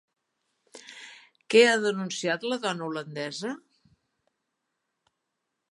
Què ha denunciat la dona holandesa?